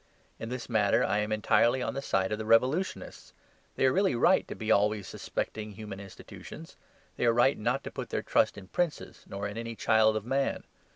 In this matter I am entirely on the side of the revolutionists. They are really right to be always suspecting human institutions; they are right not to put their trust in princes nor in any child of man.